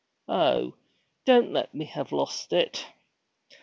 Oh, don't let me have lost it!'